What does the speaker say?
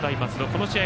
この試合